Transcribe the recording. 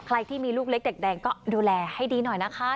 ใครที่มีลูกเล็กเด็กแดงก็ดูแลให้ดีหน่อยนะคะ